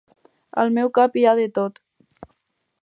Al meu cap hi ha de tot.